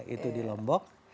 itu di lombok